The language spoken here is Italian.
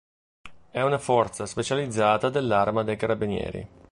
È una forza specializzata dell'Arma dei Carabinieri.